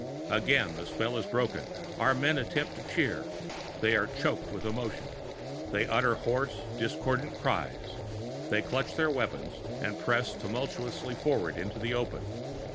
Again the spell is broken; our men attempt to cheer; they are choking with emotion; they utter hoarse, discordant cries; they clutch their weapons and press tumultuously forward into the open.